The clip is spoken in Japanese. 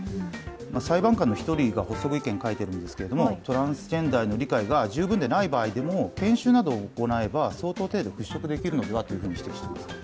裁判官の１人が補足意見を書いているんですが、トランスジェンダーへの理解が十分でない場合も研修などを行えばふっしょくできるのではと指摘しています。